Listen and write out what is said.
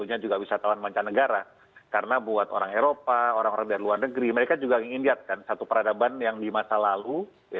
dan tentunya juga wisatawan mancanegara karena buat orang eropa orang orang dari luar negeri mereka juga ingin lihat kan satu peradaban yang di masa lalu